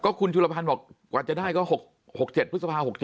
คุณชุลพันธ์บอกกว่าจะได้ก็๖๗พฤษภา๖๗